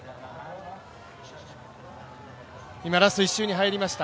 今ラスト１周に入りました。